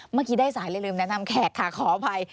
เมื่อกี้ได้สายลืมแนะนำแขกค่ะขออภัย